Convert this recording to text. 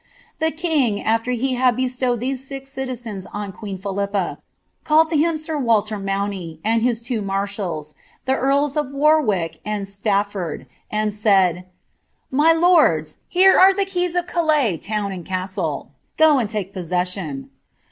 ^The king, after he had bestowed these six citizens on qneen Phi lippa, called to him sir Walter Mauny, and his two marshals, the earls 31 Warwick and Stafford, and said —^ My lords, here are the keys of Ca lais town and castle ; go and take possession.'